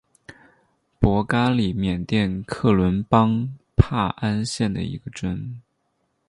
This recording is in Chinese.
博嘎里缅甸克伦邦帕安县的一个镇。